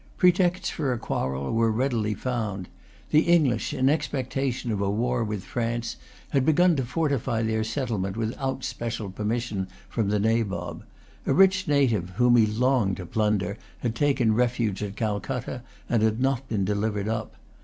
Pretexts for a quarrel were readily found. The English, in expectation of a war with France, had begun to fortify their settlement without special permission from the Nabob. A rich native, whom he longed to plunder, had taken refuge at Calcutta, and had not been delivered up.